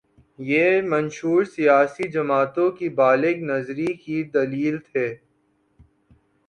یہ منشور سیاسی جماعتوں کی بالغ نظری کی دلیل تھے۔